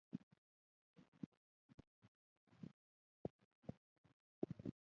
ازادي راډیو د مالي پالیسي په اړه د راتلونکي هیلې څرګندې کړې.